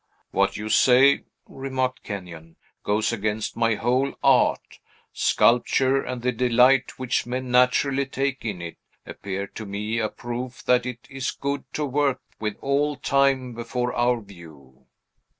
"What you say," remarked Kenyon, "goes against my whole art. Sculpture, and the delight which men naturally take in it, appear to me a proof that it is good to work with all time before our view."